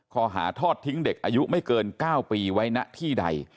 ข้อหาทอดทิ้งเด็กอายุไม่เกิน๙ปีไว้ณที่ใด